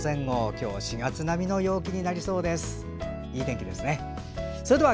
今日、４月並みの陽気になりそうです。